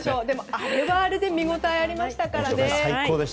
あれはあれで見ごたえありましたからね。